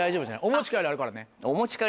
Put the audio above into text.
お持ち帰りあるからね。